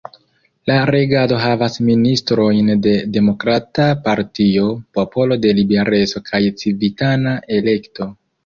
La regado havas ministrojn de Demokrata Partio, Popolo de Libereco kaj Civitana Elekto.